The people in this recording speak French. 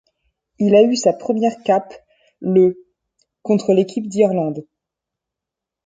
Il a eu sa première cape le contre l'équipe d'Irlande.